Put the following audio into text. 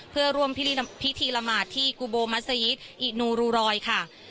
เพื่อร่วมพิธีละหมาดที่กุโบมัศยิตอินูรูรอยค่ะ